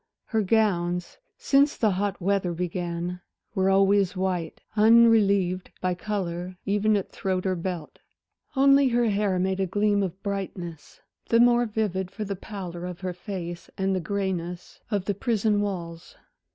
Her gowns, since the hot weather began, were always white, unrelieved by color even at throat or belt. Only her hair made a gleam of brightness, the more vivid for the pallor of her face and the grayness of the prison walls.